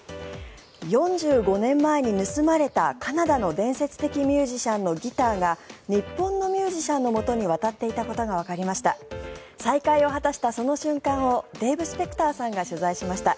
４５年前に盗まれたカナダの伝説的ミュージシャンのギターが日本のミュージシャンのもとに渡っていたことがわかりました。